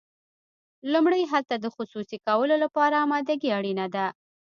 لومړی هلته د خصوصي کولو لپاره امادګي اړینه ده.